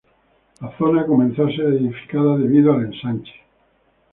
La zona comenzó a ser edificada debido al ensanche.